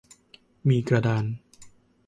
มีกระดาน